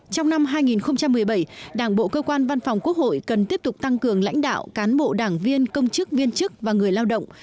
trong năm hai nghìn một mươi bảy đảng bộ cơ quan văn phòng quốc hội cần tiếp tục tăng cường lãnh đạo cán bộ đảng viên công chức viên chức và người lao động